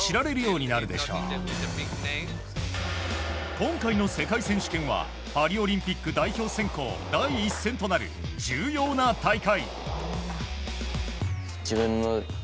今回の世界選手権はパリオリンピック代表選考第１戦となる重要な大会。